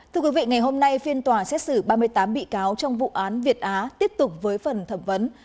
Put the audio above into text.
thưa quý vị ngày hôm nay phiên tòa xét xử ba mươi tám bị cáo trong vụ án việt á tiếp tục với phần thẩm vấn